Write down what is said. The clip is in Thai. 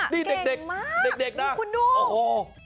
นี่เก่งมากมองคุณดูโอ้โห